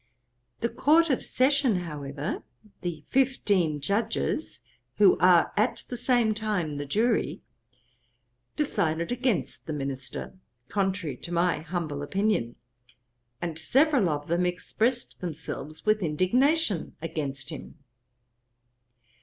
The Court of Session, however the fifteen Judges, who are at the same time the Jury, decided against the minister, contrary to my humble opinion; and several of them expressed themselves with indignation against him.